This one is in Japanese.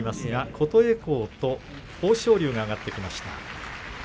琴恵光と豊昇龍が上がってきました。